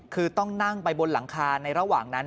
คือต้องนั่งไปบนหลังคาในระหว่างนั้น